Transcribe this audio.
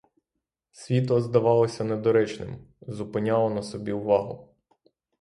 Світло здавалося недоречним, зупиняло на собі увагу.